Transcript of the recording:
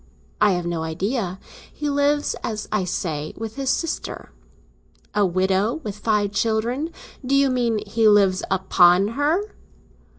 "I have no idea. He lives, as I say, with his sister." "A widow, with five children? Do you mean he lives upon her?"